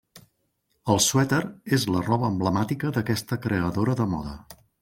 El suèter és la roba emblemàtica d'aquesta creadora de moda.